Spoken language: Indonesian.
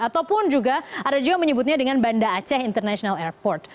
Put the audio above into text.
ataupun juga ada juga yang menyebutnya dengan banda aceh international airport